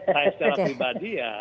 saya secara pribadi ya